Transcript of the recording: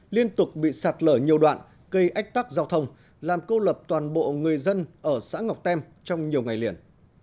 liên tục bị sạt lở nhiều đoạn gây ách tắc giao thông làm cô lập toàn bộ người dân ở xã ngọc tem trong nhiều ngày liền